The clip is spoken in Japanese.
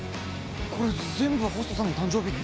これ全部ホストさんの誕生日に？